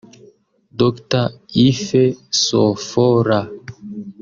Dr Ife Sofola